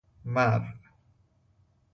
مرء